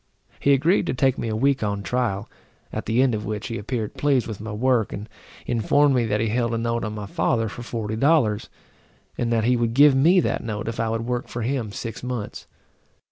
He agreed to take me a week on trial; at the end of which he appeared pleased with my work, and informed me that he held a note on my father for forty dollars, and that he would give me that note if I would work for him six months.